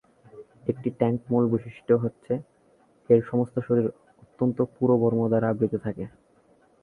একটি ট্যাংক মূল বৈশিষ্ট্য হচ্ছে এর সমস্ত শরীর অত্যন্ত পুরু বর্ম দ্বারা আবৃত থাকে।